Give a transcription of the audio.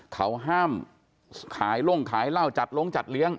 เขาห้ามขายล่งขายเหล้าจัดลงจัดเลี้ยง